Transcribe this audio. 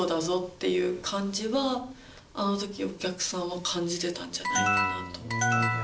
っていう感じはあの時お客さんは感じてたんじゃないかなと思います。